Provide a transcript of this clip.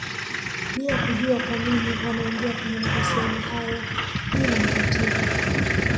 bila kujua kwanini wanaingia kwenye mahusiano hayo hilo ni tatizo